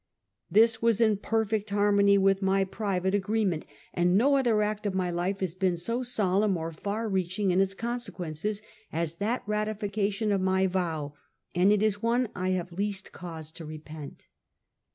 This was in perfect harmony with my private agree 38 Half a Centuey. ment, and no other act of mj life lias been so solemn or far reaching in its consequences, as that ratification of my vow, and it is one I have least cause to repent.